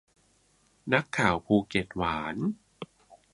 นักข่าวภูเก็ตหวาน